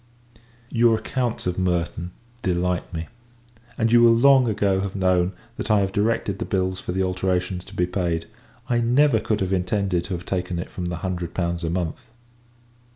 Your accounts of Merton delight me; and you will long ago have known, that I have directed the bills for the alterations to be paid. I never could have intended to have taken it from the hundred pounds a month.